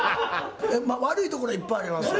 悪いところはいっぱいありますよ。